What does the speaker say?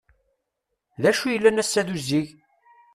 D acu yellan ass-a d uzzig?